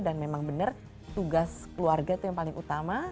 dan memang benar tugas keluarga itu yang paling utama